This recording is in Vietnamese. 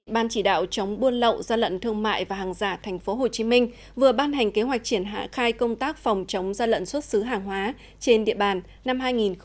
ban chỉ đạo chống buôn lậu gian lận thương mại và hàng giả tp hcm vừa ban hành kế hoạch triển hạ khai công tác phòng chống gian lận xuất xứ hàng hóa trên địa bàn năm hai nghìn hai mươi